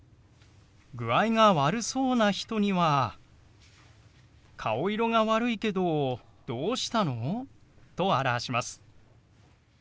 具合が悪そうな人には「顔色が悪いけどどうしたの？」と表します。